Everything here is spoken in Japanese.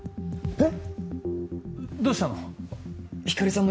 えっ